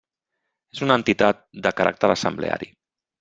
És una entitat de caràcter assembleari.